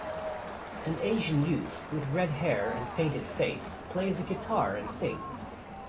An Asian youth with redhair and painted face plays a guitar and sings.